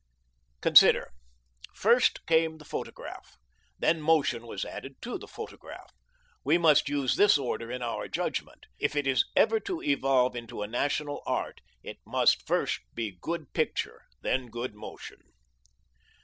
Consider: first came the photograph. Then motion was added to the photograph. We must use this order in our judgment. If it is ever to evolve into a national art, it must first be good picture, then good motion.